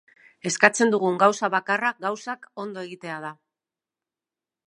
Eskatzen dugun gauza bakarra gauzak ondo egitea da.